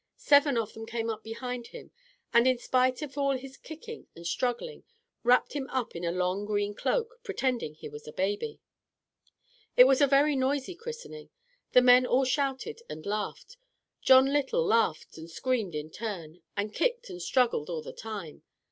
Seven of them came behind him, and in spite of all his kicking and struggling wrapped him up in a long, green cloak, pretending he was a baby. It was a very noisy christening. The men all shouted and laughed. John Little laughed and screamed in turn, and kicked and struggled all the time.